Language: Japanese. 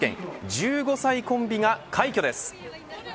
１５歳コンビが快挙です。